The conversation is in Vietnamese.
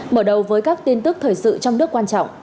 mở đầu với các tin tức thời sự trong nước quan trọng